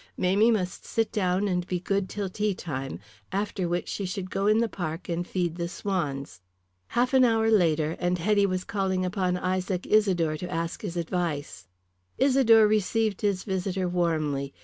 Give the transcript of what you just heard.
Mamie must sit down and be good till teatime, after which she should go in the park and feed the swans. Half an hour later and Hetty was calling upon Izaac Isidore to ask his advice. Isidore received his visitor warmly.